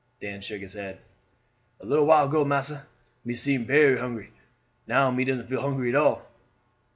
Dan shook his head. "A little while ago, massa, me seem berry hungry, now me doesn't feel hungry at all."